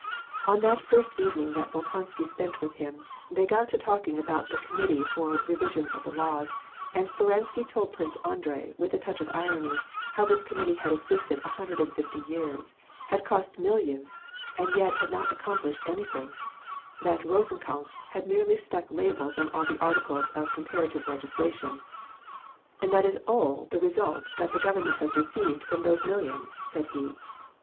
On that fijrst evening that Bolkonsky spent with him, they got to talking about the Committee for the Revision of the Laws ; and Speransky told Prince Andrei, with a touch of irony, how this committee had existed a hundred and fifty years, had cost millions, and yet had not accomplished any thing; that Kosenkampf had merely stuck labels on all the articles of comparative legislation. ''And that is all the re sult that the government has received from those millions," said he.